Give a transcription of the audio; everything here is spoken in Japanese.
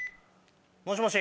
もしもし！